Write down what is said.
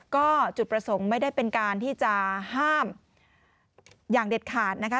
ก็จุดประสงค์ไม่ได้เป็นการที่จะห้ามอย่างเด็ดขาดนะคะ